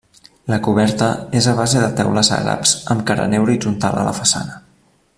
La coberta és a base de teules àrabs amb carener horitzontal a la façana.